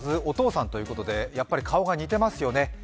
お父さんということで、やっぱり顔が似てますよね。